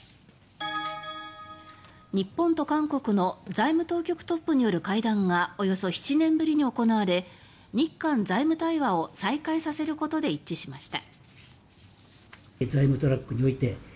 日本と韓国の財務当局トップによる会談がおよそ７年ぶりに行われ「日韓財務対話」を再開させることで一致しました。